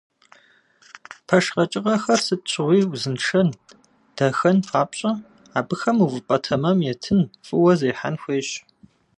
Пэш къэкӏыгъэхэр сыт щыгъуи узыншэн, дахэн папщӏэ, абыхэм увыпӏэ тэмэм етын, фӏыуэ зехьэн хуейщ.